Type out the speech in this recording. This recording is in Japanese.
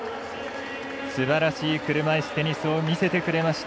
すばらしい車いすテニスを見せてくれました。